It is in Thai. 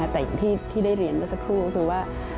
แต่ที่ได้เรียนก็สักครู่คือว่า